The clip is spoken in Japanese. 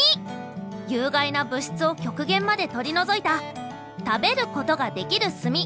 有害な物質を極限まで取り除いた食べることができる炭。